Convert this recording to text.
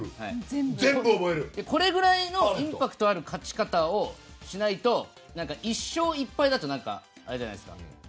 これぐらいのインパクトある勝ち方をしないと１勝１敗だとあれじゃないですか。